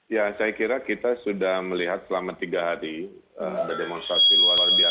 ya saya kira kita sudah melihat selama tiga hari ada demonstrasi luar biasa